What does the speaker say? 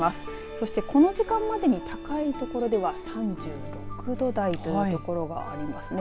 そしてこの時間までに高いところでは３６度台というところがありますね。